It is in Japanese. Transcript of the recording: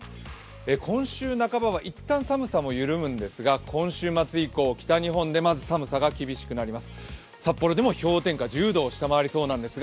今週半ばはいったん寒さも緩むんですが今週末以降、北日本でまず寒さが厳しくなります。